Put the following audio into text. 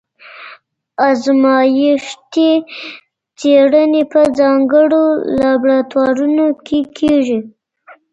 ازمایښتي څېړني په ځانګړو لابراتوارونو کي کيږي.